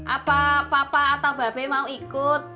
apa papa atau babe mau ikut